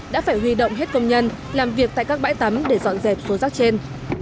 đã phải huy động hết công nhân làm việc tại các bãi tắm để dọn dẹp số rác trên